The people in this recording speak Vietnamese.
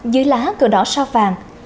dưới lá cờ đỏ sao vàng